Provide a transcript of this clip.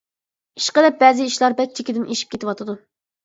ئىشقىلىپ بەزى ئىشلار بەك چېكىدىن ئېشىپ كېتىۋاتىدۇ.